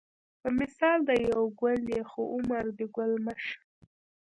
په مثال دې یو ګل یې خو عمر دې ګل مه شه